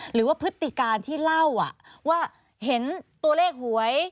พฤติการที่เล่าว่าเห็นตัวเลขหวย